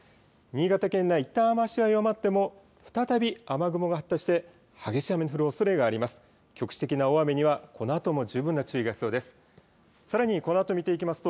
新潟県内、いったん雨足は弱まっても、再び雨雲が発達して、激しい雨の降るおそれがあります。